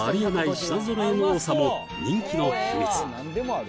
品揃えの多さも人気の秘密